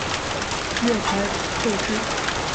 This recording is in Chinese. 月台配置